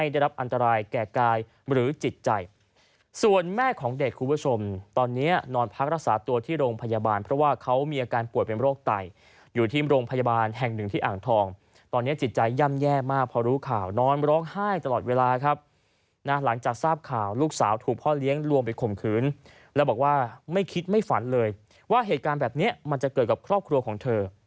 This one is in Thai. ว่าเหตุการณ์แบบนี้มันจะเกิดกับครอบครัวของเธอ